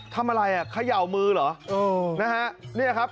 ทำอะไรขย่ามือเหรอ